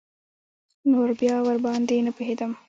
نور بيا ورباندې نه پوهېدم.